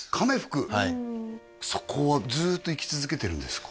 はいそこはずっと行き続けてるんですか？